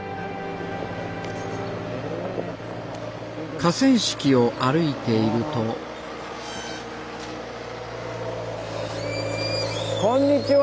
河川敷を歩いているとこんにちは！